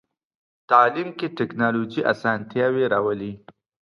تعلیم کې ټکنالوژي اسانتیاوې راولي.